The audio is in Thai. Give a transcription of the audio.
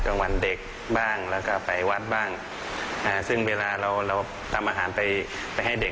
กลางวันเด็กบ้างแล้วก็ไปวัดบ้างอ่าซึ่งเวลาเราเราทำอาหารไปไปให้เด็ก